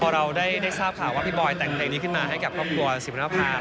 พอเราได้ทราบค่ะว่าพี่บอยแต่งเพลงนี้ขึ้นมาให้กับครอบครัวศรีวรรณภาพาทุกคน